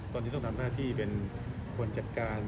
ตอนนี้ต้องทำหน้าที่เป็นคนจัดการ